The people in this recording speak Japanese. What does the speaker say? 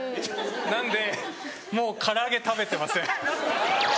なのでもう唐揚げ食べてません。